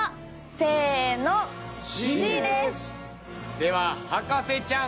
では博士ちゃん。